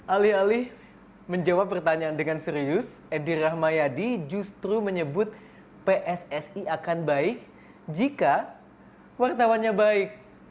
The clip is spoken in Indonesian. alih alih menjawab pertanyaan dengan serius edi rahmayadi justru menyebut pssi akan baik jika wartawannya baik